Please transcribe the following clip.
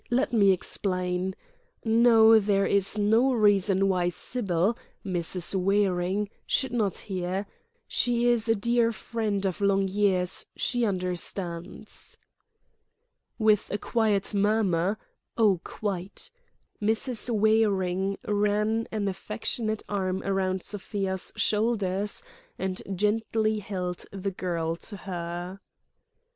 Let me explain. No: there is no reason why Sybil—Mrs. Waring—should not hear. She is a dear friend of long years, she understands." With a quiet murmur—"Oh, quite!"—Mrs. Waring ran an affectionate arm round Sofia's shoulders and gently held the girl to her.